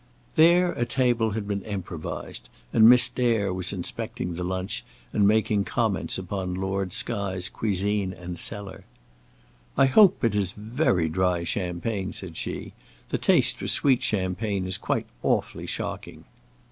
There a table had been improvised, and Miss Dare was inspecting the lunch, and making comments upon Lord Skye's cuisine and cellar. "I hope it is very dry champagne," said she, "the taste for sweet champagne is quite awfully shocking."